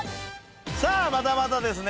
さあまたまたですね